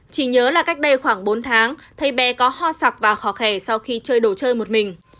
chỉ nhớ là cách đây khoảng bốn tháng thấy bé có ho sặc và khó khè sau khi chơi đồ chơi một mình